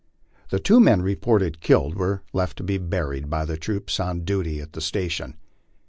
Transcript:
The two men reported killed were left to be buried by the troops on duty at the station.